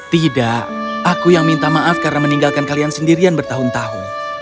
tidak aku yang minta maaf karena meninggalkan kalian sendirian bertahun tahun